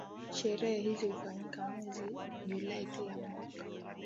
Sherehe hizi hufanyika mwezi julai kila mwaka